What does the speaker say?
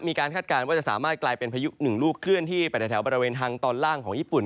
คาดการณ์ว่าจะสามารถกลายเป็นพายุหนึ่งลูกเคลื่อนที่ไปแถวบริเวณทางตอนล่างของญี่ปุ่น